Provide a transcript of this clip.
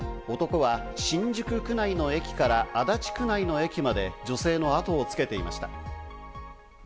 男は新宿区内の駅から足立区内の駅まで女性のあとをつけていました。